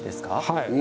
はい。